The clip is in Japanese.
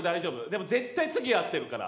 でも絶対次合ってるから。